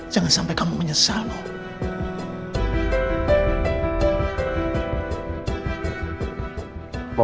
jangan sampai kamu menyesal